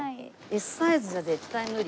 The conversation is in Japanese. Ｓサイズじゃ絶対無理。